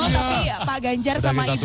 tapi pak ganjar sama ibu